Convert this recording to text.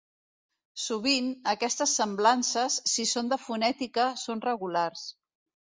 Sovint, aquestes semblances, si són de fonètica, són regulars.